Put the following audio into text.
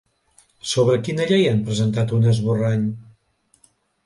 Sobre quina llei han presentat un esborrany?